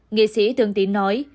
nghệ sĩ thương tín nói